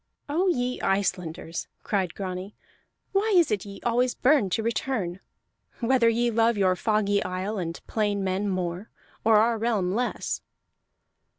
"Oh ye Icelanders!" cried Grani. "Why is it ye always burn to return whether ye love your foggy isle and plain men more, or our realm less?"